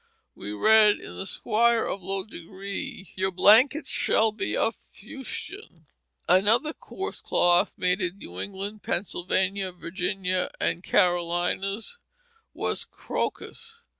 We read in The Squier of Low Degree, "Your blanketts shall be of fustayne." Another coarse cloth made in New England, Pennsylvania, Virginia, and the Carolinas was crocus.